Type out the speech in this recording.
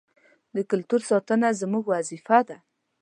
د کلتور ساتنه زموږ وظیفه ده.